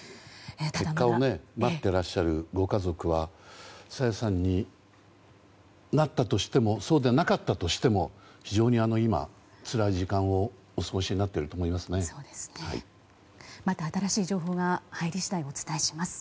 結果を待ってらっしゃるご家族は朝芽さんであったとしてもそうじゃなかったとしても非常に今、つらい時間をお過ごしになっていると思います。